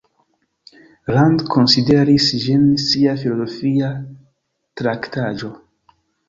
Rand konsideris ĝin sia filozofia traktaĵo.